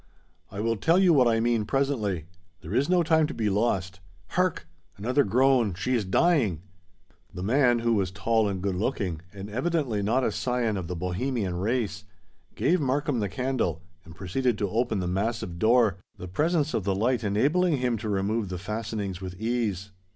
"I will tell you what I mean presently: there is no time to be lost! Hark—another groan: she is dying!" The man, who was tall and good looking, and evidently not a scion of the Bohemian race—gave Markham the candle, and proceeded to open the massive door, the presence of the light enabling him to remove the fastenings with ease.